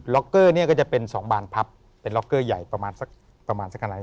ล็อกเกอร์เนี่ยก็จะเป็นสองบานพับเป็นล็อกเกอร์ใหญ่ประมาณสักขนาดนี้